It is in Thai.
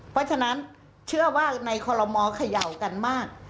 เพราะฉะนั้นเชื่อว่าในคอลโลมอลเขย่ากันมาก